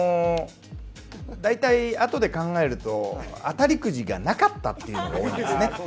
大体、あとで考えると、当たりくじがなかったというのが多いですね。